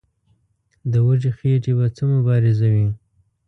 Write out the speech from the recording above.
د وږي خېټې به څه مبارزه وي.